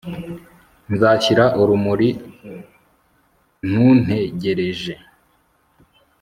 Nzashyira urumuri Ntuntegereje